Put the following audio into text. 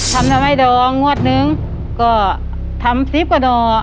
ทำหน่อไม้ดองงวดหนึ่งก็ทำสิบกว่าหน่อ